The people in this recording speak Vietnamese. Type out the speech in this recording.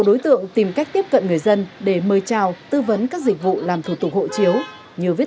đối tượng tìm cách tiếp cận người dân để mời chào tư vấn các dịch vụ làm thủ tục hộ chiếu như viết